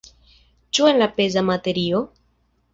Ĉu en la peza materio?